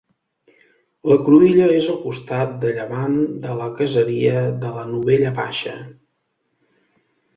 La cruïlla és al costat de llevant de la caseria de la Novella Baixa.